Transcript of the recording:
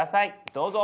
どうぞ！